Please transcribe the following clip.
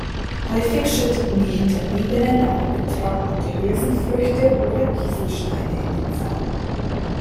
Häufig schütteten die Hinterbliebenen auch getrocknete Hülsenfrüchte oder Kieselsteine in den Sarg.